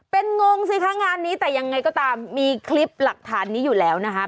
เป็นงงสิคะงานนี้แต่ยังไงก็ตามมีคลิปหลักฐานนี้อยู่แล้วนะคะ